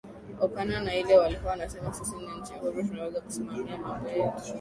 okana na ile walikuwa wanasema sisi ni nchi huru tunaweza kusimamia mambo yetu